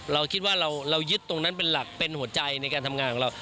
เราคิดว่าเรายึดตรงนั้นเป็นหลักเป็นหัวใจในการทำงานของเรา